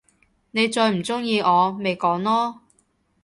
你再唔中意我，咪講囉！